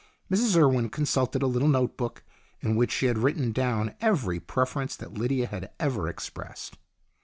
Mrs Urwen consulted a little note book, in which she had written down every preference that Lydia had ever expressed.